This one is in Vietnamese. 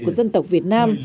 của dân tộc việt nam